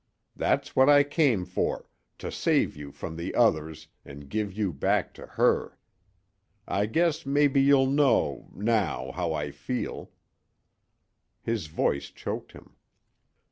That's what I came for, to save you from the others an' give you back to her. I guess mebbe you'll know now how I feel " His voice choked him.